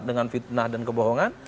dengan fitnah dan kebohongan